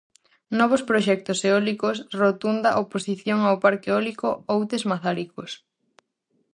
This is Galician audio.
Novos proxectos eólicos rotunda oposición ao parque eólico Outes-Mazaricos.